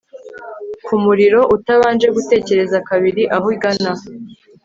Kumuriro utabanje gutekereza kabiri aho igana